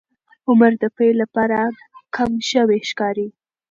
عمر د پیل لپاره کم شوی ښکاري.